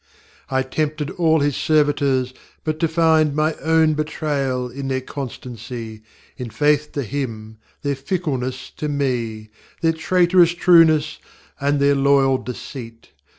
I tempted all His servitors, but to find My own betrayal in their constancy, In faith to Him their fickleness to me, Their traitorous trueness, and their loyal deceit.